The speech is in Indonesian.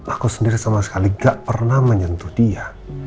aku sendiri sama sekali gak pernah menyentuh dia